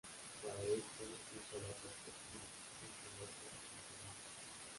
Para esto, se usa la perspectiva, entre otros mecanismos.